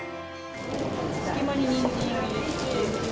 隙間ににんじんを入れて。